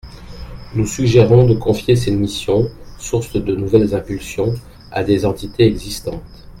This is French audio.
Nous suggérons de confier ces missions, sources de nouvelles impulsions, à des entités existantes.